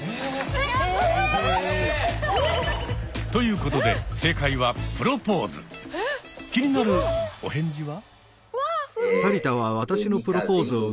えっ！？ということで正解は気になるお返事は？